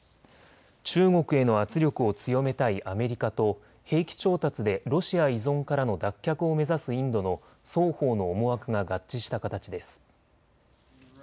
中国への圧力を強めたいアメリカと兵器調達でロシア依存からの脱却を目指すインドの双方の思惑が合致した形です。